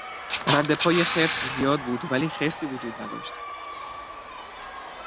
ردپای خرس زیاد بود ولی خرسی وجود نداشت.